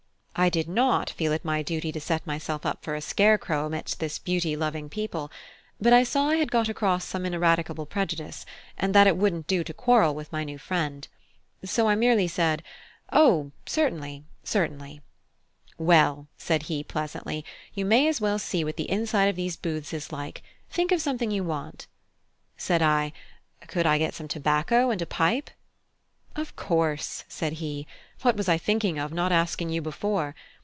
I did not feel it my duty to set myself up for a scarecrow amidst this beauty loving people, but I saw I had got across some ineradicable prejudice, and that it wouldn't do to quarrel with my new friend. So I merely said, "O certainly, certainly." "Well," said he, pleasantly, "you may as well see what the inside of these booths is like: think of something you want." Said I: "Could I get some tobacco and a pipe?" "Of course," said he; "what was I thinking of, not asking you before?